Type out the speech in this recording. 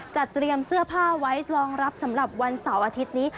จะเตรียมเสื้อผ้าไว้รองรับสำหรับวันเสาร์อาทิตย์นี้